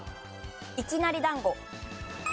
いきなり団子。